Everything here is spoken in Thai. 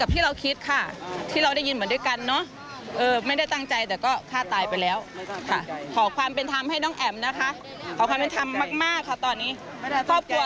ประแนวไปนอนตามข่าวตลอดอะ